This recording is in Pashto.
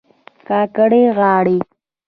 کاکړۍ غاړي